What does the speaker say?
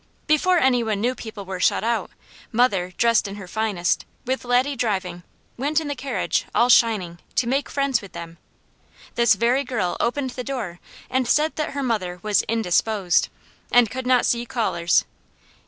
Before any one knew people were shut out, mother, dressed in her finest, with Laddie driving, went in the carriage, all shining, to make friends with them. This very girl opened the door and said that her mother was "indisposed," and could not see callers.